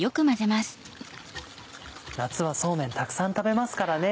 夏はそうめんたくさん食べますからね。